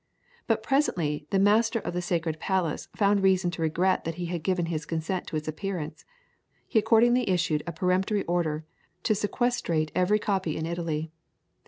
But presently the Master of The Sacred Palace found reason to regret that he had given his consent to its appearance. He accordingly issued a peremptory order to sequestrate every copy in Italy.